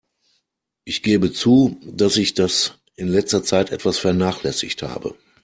Ich gebe zu, dass ich das in letzter Zeit etwas vernachlässigt habe.